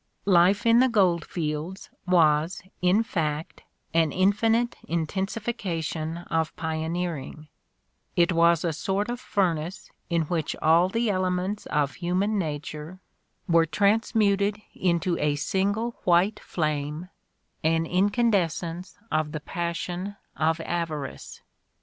Life in the gold fields was, in fact, an infinite intensi fication of pioneering, it was a sort of furnace in which all the elements of human nature were transmuted into In the Crucible 75 a single white flame, an incandescence of the passion of avarice.